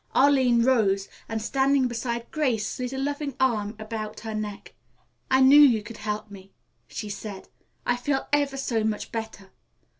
Arline rose and standing beside Grace slid a loving arm about her neck. "I knew you could help me," she said. "I feel ever so much better.